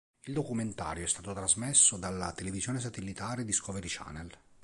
Il documentario è stato trasmesso dalla televisione satellitare Discovery Channel.